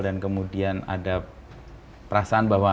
dan kemudian ada perasaan bahwa